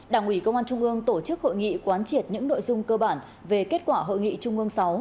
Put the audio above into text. đảng ủy công an trung ương tổ chức hội nghị quán triệt những nội dung cơ bản về kết quả hội nghị trung ương sáu